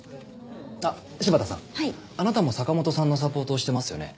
あっ柴田さんあなたも坂本さんのサポートをしてますよね。